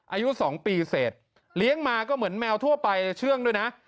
อายุ๒ปีเสร็จเลี้ยงมาก็เหมือนแมวทั่วไปเชื่องด้วยนะ